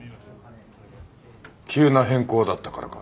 急な変更だったからか？